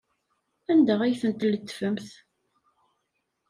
Anda ay ten-tletfemt?